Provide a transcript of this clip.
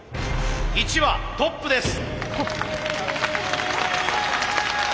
１羽トップです。